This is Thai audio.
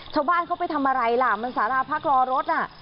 ชาวบ้านเขาไปทำอะไรล่ะมันสาราพักรอรถน่ะ